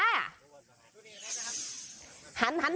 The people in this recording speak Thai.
มาที่ไหนด้วยนะคะ